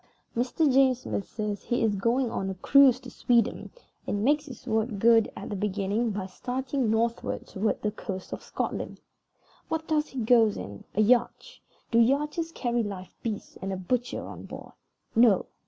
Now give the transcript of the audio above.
Mr. James Smith says he is going on a cruise to Sweden, and makes his word good, at the beginning, by starting northward toward the coast of Scotland. What does he go in? A yacht. Do yachts carry live beasts and a butcher on board? No.